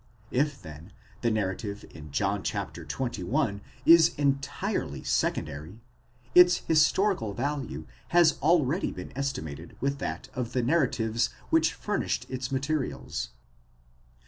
If then the narrative in John xxi. is entirely secondary, its historical value has already been estimated with that of the narratives which furnished its materials.